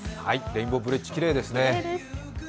レインボーブリッジきれいですね。